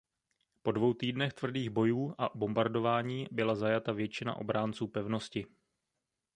Po dvou týdnech tvrdých bojů a bombardování byla zajata většina obránců pevnosti.